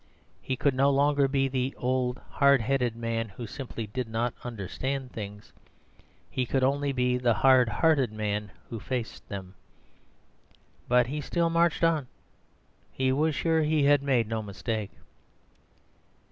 He could no longer be the old "hard headed" man who simply did not understand things; he could only be the hard hearted man who faced them. But he still marched on; he was sure he had made no mistake.